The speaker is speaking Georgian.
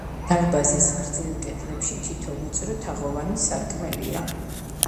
დარბაზის გრძივ კედლებში თითო ვიწრო თაღოვანი სარკმელია.